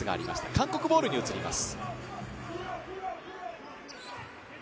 韓国ボールに移ります。